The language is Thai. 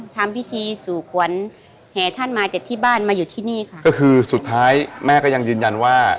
ทำพิธีสู่ขวัญแห่ท่านมาจากที่บ้านมาอยู่ที่นี่ค่ะก็คือสุดท้ายแม่ก็ยังยืนยันว่า